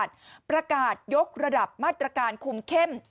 ของจังหวัดประกาศยกระดับมาตรการคุมเข้ม